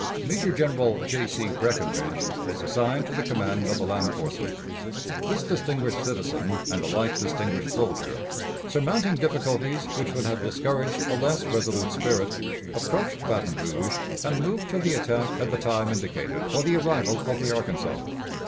Major General J. C. Breckinridge was assigned to the command of the land forces. This distinguished citizen and alike distinguished soldier, surmounting difficulties which would have discouraged a less resolute spirit, approached Baton Rouge, and moved to the attack at the time indicated for the arrival of the Arkansas.